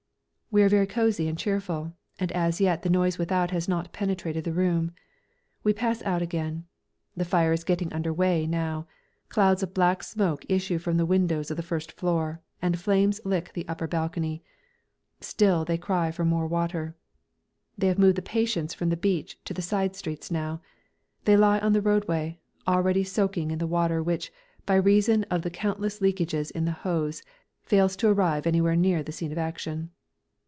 They are very cosy and cheerful, and as yet the noise without has not penetrated the room. We pass out again. The fire is getting under way now; clouds of black smoke issue from the windows of the first floor, and flames lick the upper balcony. Still they cry for more water. They have moved the patients from the beach to the side streets now. They lie on the roadway, already soaking in the water which, by reason of the countless leakages in the hose, fails to arrive anywhere near the scene of action.